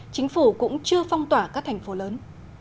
chính phủ cũng chưa phong tỏa các thành phố lớn